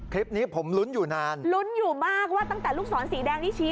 คลิปนี้ผมลุ้นอยู่นานลุ้นอยู่มากว่าตั้งแต่ลูกศรสีแดงนี่ชี้